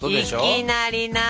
いきなりな。